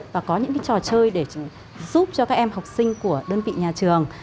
và có những trò chơi để giúp cho các em học sinh của đơn vị nhà trường